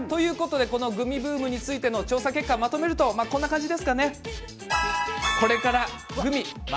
このグミブームについての調査結果をまとめるとこんな感じですね。